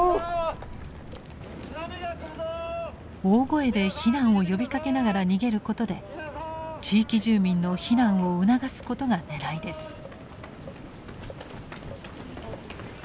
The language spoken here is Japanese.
大声で避難を呼びかけながら逃げることで地域住民の避難を促すことがねらいです。